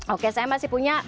oke saya masih punya